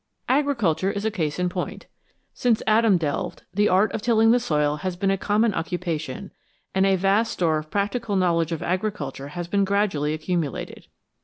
Agriculture is a case in point. Since Adam delved, the art of tilling the soil has been a common occupation, and a vast store of practical knowledge of agriculture has been gradually accumulated.